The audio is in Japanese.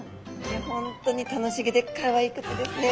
本当に楽しげでかわいくてですね